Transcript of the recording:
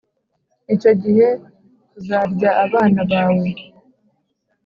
Icyo gihe uzarya abana bawe,